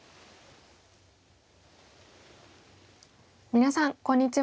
皆さんこんにちは。